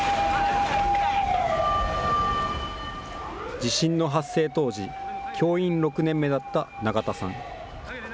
地震の発生当時、教員６年目だった永田さん。